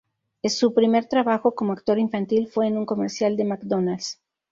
Su primer trabajo como actor infantil fue en un comercial de McDonald’s.